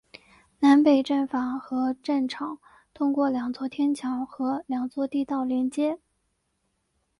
南北站房和站场通过两座天桥和两座地道连接。